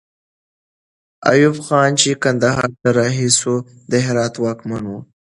ایوب خان چې کندهار ته رهي سو، د هرات واکمن وو.